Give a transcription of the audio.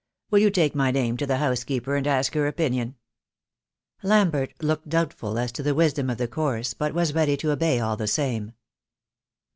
Will you take my name to the housekeeper, and ask her opinion?" Lambert looked doubtful as to the wisdom of the course, but was ready to obey all the same.